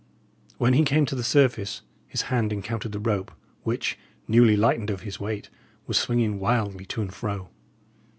When he came to the surface his hand encountered the rope, which, newly lightened of his weight, was swinging wildly to and fro.